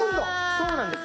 そうなんです。